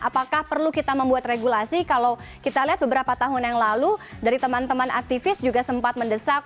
apakah perlu kita membuat regulasi kalau kita lihat beberapa tahun yang lalu dari teman teman aktivis juga sempat mendesak